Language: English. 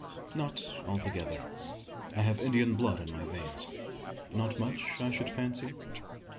"Not altogether. I have Indian blood in my veins." "Not much, I should fancy?"